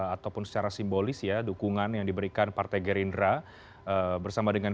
ataupun secara simbolis ya dukungan yang diberikan partai gerindra bersama dengan